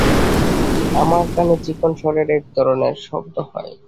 আমার কানে চিকন স্বরের এক ধরনের শব্দ হয়।